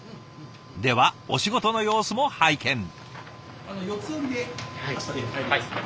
ではお仕事の様子も拝見。